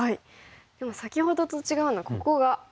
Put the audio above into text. でも先ほどと違うのはここが強いですよね。